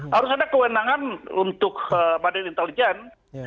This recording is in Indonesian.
harus ada kewenangan untuk badan intelijen